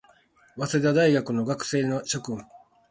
早稲田大学の学生諸君